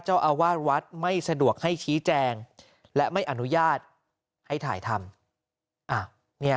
เจ้าอาวาสวัดไม่สะดวกให้ชี้แจงและไม่อนุญาตให้ถ่ายทำ